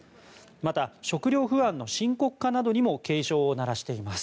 また、食料不安の深刻化などにも警鐘を鳴らしています。